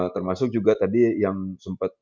termasuk juga tadi yang sempat